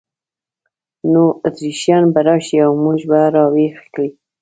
نو اتریشیان به راشي او موږ به را ویښ کړي.